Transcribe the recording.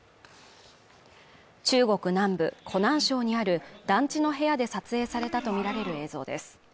中国南部・湖南省にある団地の部屋で撮影されたと見られる映像です